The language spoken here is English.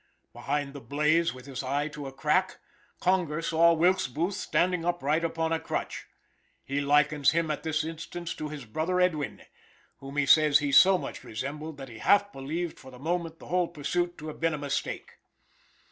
Behind the blaze, with his eye to a crack, Conger saw Wilkes Booth standing upright upon a crutch. He likens him at this instant to his brother Edwin, whom he says he so much resembled that he half believed, for the moment the whole pursuit to have been a mistake.